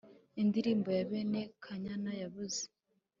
Indirimbo ya bene kanyana yabuze